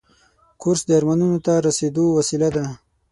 کورس د ارمانونو ته رسیدو وسیله ده.